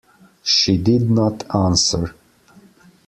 She did not answer.